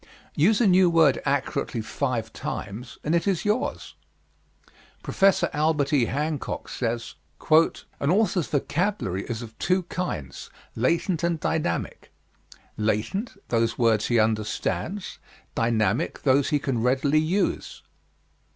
Use a new word accurately five times and it is yours. Professor Albert E. Hancock says: "An author's vocabulary is of two kinds, latent and dynamic: latent those words he understands; dynamic those he can readily use.